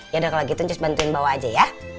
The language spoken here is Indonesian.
ya udah kalau gitu cus bantuin bawa aja ya